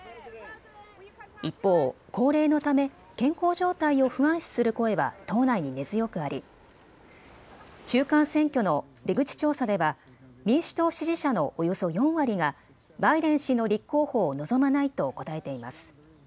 一方、高齢のため健康状態を不安視する声は党内に根強くあり、中間選挙の出口調査では民主党支持者のおよそ４割がバイデン氏の立候補を望まないと答えています。